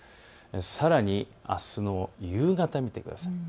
さらに、あすの夕方見てください。